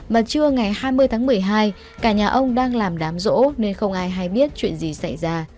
mà trưa ngày hai mươi tháng một mươi hai cả nhà ông đang làm đám rỗ nên không ai hay biết chuyện gì xảy ra